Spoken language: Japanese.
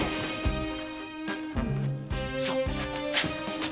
さあ！